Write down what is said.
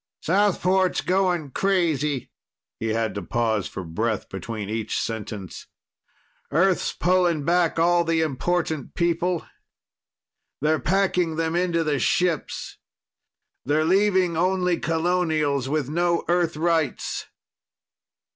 "Southport's going crazy." He had to pause for breath between each sentence. "Earth's pulling back all the important people. They're packing them into the ships. They're leaving only colonials with no Earth rights.